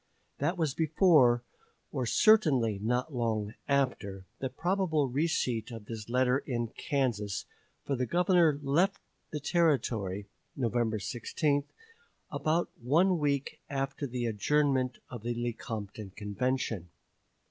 That was before, or certainly not long after, the probable receipt of this letter in Kansas, for the Governor left the Territory (November 16) about one week after the adjournment of the Lecompton Convention.